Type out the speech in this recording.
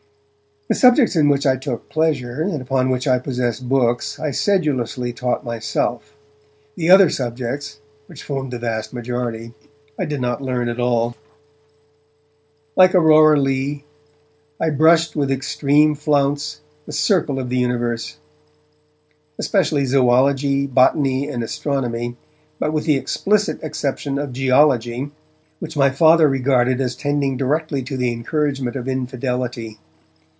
The subjects in which I took pleasure, and upon which I possessed books, I sedulously taught myself; the other subjects, which formed the vast majority, I did not learn at all. Like Aurora Leigh, I brushed with extreme flounce The circle of the universe, especially zoology, botany and astronomy, but with the explicit exception of geology, which my Father regarded as tending directly to the encouragement of infidelity.